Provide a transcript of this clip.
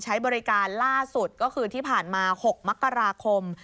ใช้บริการล่าสุดก็คือที่ผ่านมา๖มกราคม